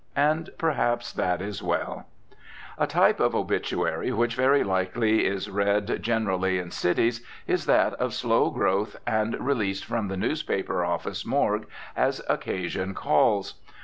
And, perhaps, that is well. A type of obituary which very likely is read rather generally in cities is that of slow growth and released from the newspaper office "morgue" as occasion calls.